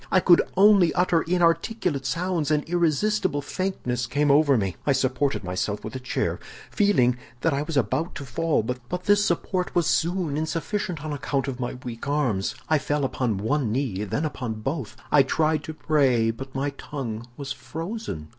I could only utter inarticulate sounds, and irresistible faintness came over me. I supported myself by a chair, feeling that I was about to fall, but this support was soon insufficient on account of my weak arms. I fell upon one knee, then upon both. I tried to pray, but my tongue was frozen.